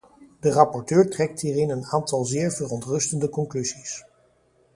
De rapporteur trekt hierin een aantal zeer verontrustende conclusies.